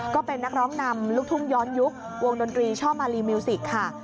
ก็เป็นนักร้องนำลูกทุ่งย้อนยุควงดนตรีช่อมาลีมิวสิกค่ะ